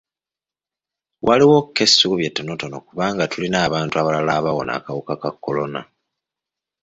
Waliwoko essuubi ettonotono kubanga tulina abantu abalala abawona akawuka ka kolona.